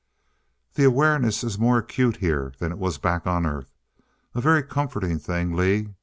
"The awareness is more acute, here, than it was back on Earth. A very comforting thing, Lee.